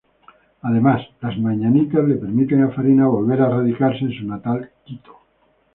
Además, ‘Las mañanitas’ le permite a Farina volver a radicarse en su natal Quito.